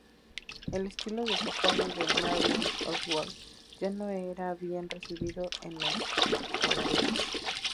El estilo desfasado de Marianne Oswald ya no era bien recibido en los cabarets.